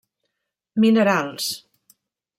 Minerals: